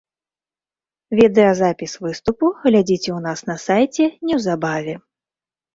Відэазапіс выступу глядзіце ў нас на сайце неўзабаве.